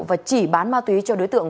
và chỉ bán ma túy cho đối tượng